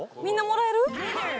みんなもらえる？